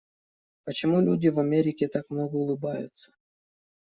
Почему люди в Америке так много улыбаются?